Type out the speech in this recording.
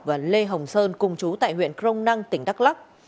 và lê hồng sơn cùng chú tại huyện crong năng tỉnh đắk lắc